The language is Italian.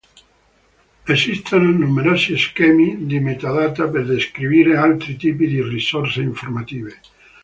Esistono numerosi schemi di metadata per descrivere altri tipi di risorse informative.